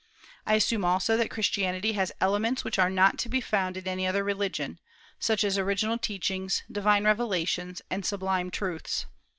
I assume also that Christianity has elements which are not to be found in any other religion, such as original teachings, divine revelations, and sublime truths.